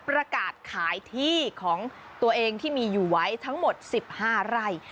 ประกาศขายที่ของตัวเองที่มีอยู่ไว้ทั้งหมด๑๕ไร่